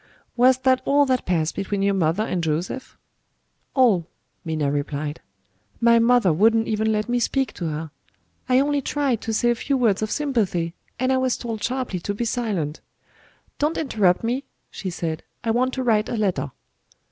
'" "Was that all that passed between your mother and Joseph?" "All," Minna replied. "My mother wouldn't even let me speak to her. I only tried to say a few words of sympathy and I was told sharply to be silent. 'Don't interrupt me,' she said, 'I want to write a letter.'"